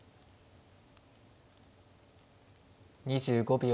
２５秒。